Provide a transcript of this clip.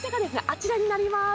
あちらになります。